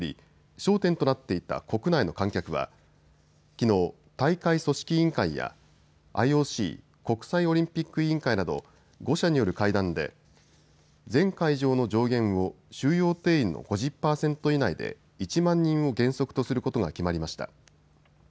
焦点となっていた国内の観客はきのう、大会組織委員会やＩＯＣ・国際オリンピック委員会など５者による会談で全会場の上限を収容定員の５０％以内で１万人を原則とすることが決まりました。